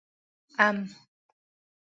🥭 ام